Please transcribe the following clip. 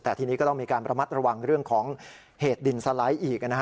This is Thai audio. แต่ทีนี้ก็ต้องมีการระมัดระวังเรื่องของเหตุดินสไลด์อีกนะฮะ